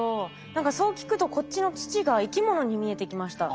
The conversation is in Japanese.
何かそう聞くとこっちの土が生き物に見えてきました。